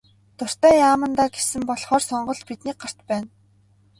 Дуртай яамандаа гэсэн болохоор сонголт бидний гарт байна.